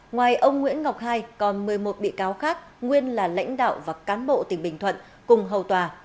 ngoài ông nguyễn ngọc hai còn một mươi một bị cáo khác nguyên là lãnh đạo và cán bộ tỉnh bình thuận cùng hầu tòa